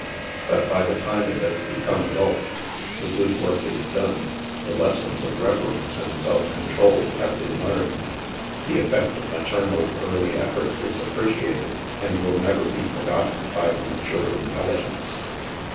But by the time it has become adult, the good work is done; the lessons of reverence and self con trol have been learned ; the effect of maternal early effort is appreciated and will never be forgotten by the mature intelligence.